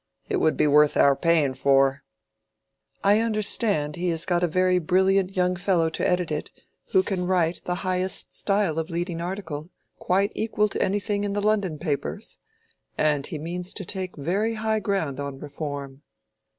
It would be worth our paying for." "I understand he has got a very brilliant young fellow to edit it, who can write the highest style of leading article, quite equal to anything in the London papers. And he means to take very high ground on Reform."